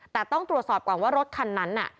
แต่ต้องตรวจสอบว่ารถคันนั้น